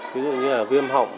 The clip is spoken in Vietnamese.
ví dụ như là viêm họng